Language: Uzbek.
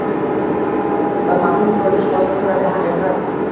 va mavhum ko‘rinish hosil qiladi: haqiqat